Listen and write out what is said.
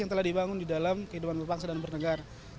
yang telah dibangun di dalam kehidupan berbangsa dan bernegara